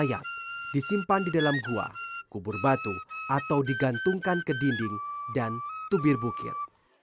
mayat disimpan di dalam gua kubur batu atau digantungkan ke dinding dan tubir bukit